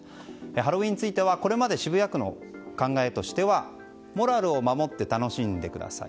ハロウィーンについてはこれまで渋谷区の考えとしてはモラルを守って楽しんでください。